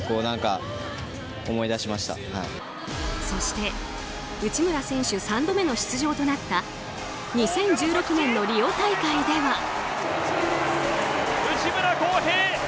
そして内村選手３度目の出場となった２０１６年のリオ大会では。